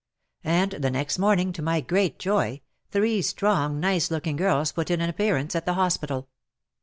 And the next morning, to my great joy, three strong, nice looking girls put in an appear ance at the hospital.